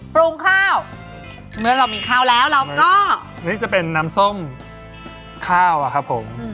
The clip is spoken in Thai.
ปรุงข้าวเมื่อเรามีข้าวแล้วเราก็นี่จะเป็นน้ำส้มข้าวอะครับผม